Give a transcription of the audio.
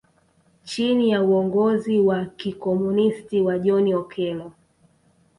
Chini ya uongozi wa kikomunisti wa John Okelo